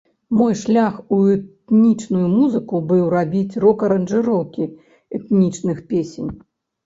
Мой шлях у этнічную музыку быў, рабіць рок-аранжыроўкі этнічных песень.